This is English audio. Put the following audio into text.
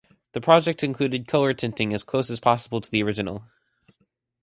The project included colour tinting as close as possible to the original.